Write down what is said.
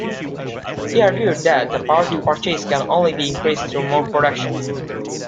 He argued that the power to purchase can only be increased through more production.